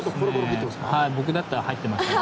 僕だったら入ってますね。